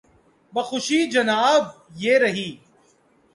بخوشی جناب، یہ رہی۔